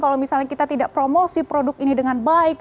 kalau misalnya kita tidak promosi produk ini dengan baik